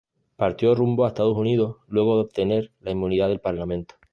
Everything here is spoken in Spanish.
Partió rumbo a Estados Unidos, luego de obtener la inmunidad del Parlamento.